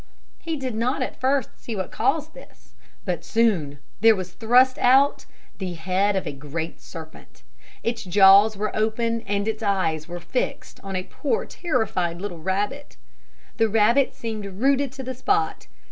He did not at first see what caused this, but soon there was thrust out the head of a great serpent. Its jaws were open and its eyes were fixed on a poor terrified little rabbit. The rabbit seemed rooted to the spot.